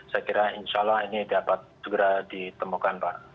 saya kira insya allah ini dapat segera ditemukan pak